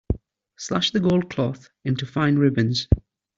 Slash the gold cloth into fine ribbons.